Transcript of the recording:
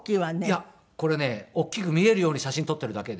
いやこれね大きく見えるように写真撮っているだけで